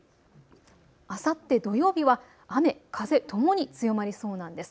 あさって土曜日は雨、風ともに強まりそうなんです。